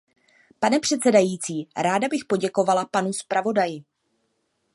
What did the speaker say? Pane předsedající, ráda bych poděkovala panu zpravodaji.